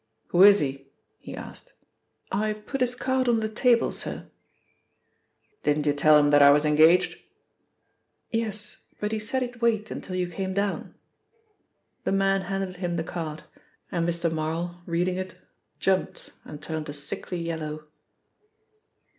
"Who is he?" he asked. "I put his card on the table, sir." "Didn't you tell him that I was engaged?" "Yes, but he said he'd wait until you came down." The man handed him the card, and Mr. Marl reading it, jumped and turned a sickly yellow.